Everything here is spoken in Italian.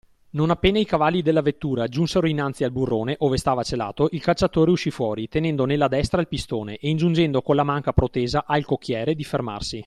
Non appena i cavalli della vettura giunsero innanzi al burrone, ove stava celato, il cacciatore uscì fuori, tenendo nella destra il pistone e ingiungendo colla manca protesa al cocchiere di fermarsi.